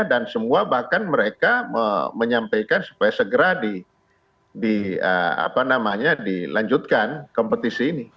dan semua bahkan mereka menyampaikan supaya segera dilanjutkan kompetisi ini